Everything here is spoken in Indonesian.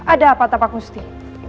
ada apa apa kusti